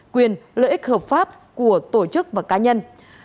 quyền lợi ích hợp pháp của tổ chức và cá nhân